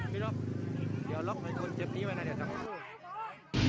เดี๋ยวรอคมีคนเจ็บงี้มานะเดี๋ยวจะพุ่ง